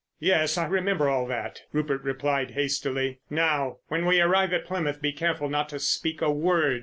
"Yes, I remember all that," Rupert replied hastily. "Now, when we arrive at Plymouth be careful not to speak a word.